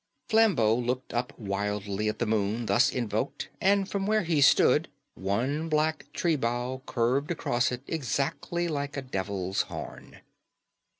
Flambeau looked up wildly at the moon thus invoked; and from where he stood one black tree bough curved across it exactly like a devil's horn.